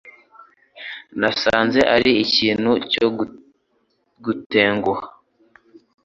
Nasanze ari ikintu cyo gutenguha.